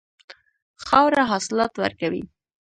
خاوره حاصلات ورکوي.